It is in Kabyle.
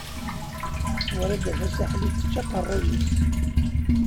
Wrida Tasaḥlit tečča aqeṛṛuy-is.